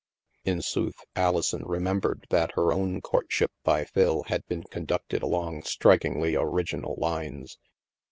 In sooth, Alison remembered that her own courtship by Phil had been conducted along strikingly original lines.